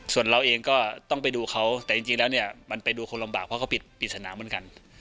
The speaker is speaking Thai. ส่วนเราเองก็ต้องไปดูเขาแต่จริงแล้วเนี่ยมันไปดูคนลำบากเพราะเขาปิดปริศนาเหมือนกัน